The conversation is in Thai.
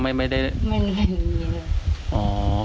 ก็ไม่มีเงินอยู่แล้ว